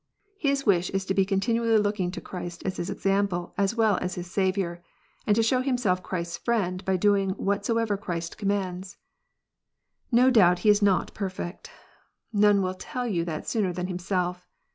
His wish is to be continually looking /to Christ as his example as well as his Saviour, and to show Miimself Christ s friend by doing whatsoever Christ commands. i No doubt he is not perfect. None will tell you that sooner ^than himself.